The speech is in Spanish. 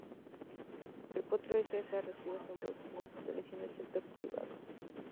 El cuarto eje es la reactivación productiva fortaleciendo el sector privado.